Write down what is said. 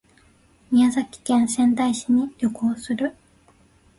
宮城県仙台市に旅行する